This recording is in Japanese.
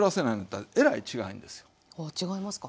あ違いますか。